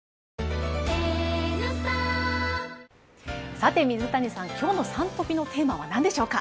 さて水谷さん、今日の「Ｓｕｎトピ」のテーマは何でしょうか？